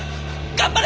頑張れ！